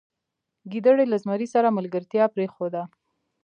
ګیدړې له زمري سره ملګرتیا پریښوده.